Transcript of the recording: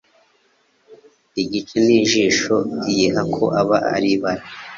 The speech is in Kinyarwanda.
igice Ni ijisho iyiha ko ba Ibara